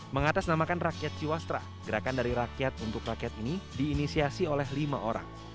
mengatasnamakan rakyat ciwastra gerakan dari rakyat untuk rakyat ini diinisiasi oleh lima orang